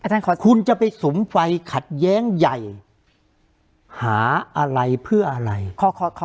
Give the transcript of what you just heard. ประเทศอาจารย์ขอคุณจะไปสุมไฟขัดแย้งใหญ่หาอะไรเพื่ออะไรขอขอ